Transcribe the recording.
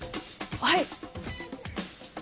はい。